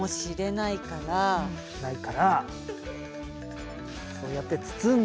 ないからそうやって包んで？